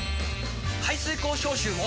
排水口消臭も！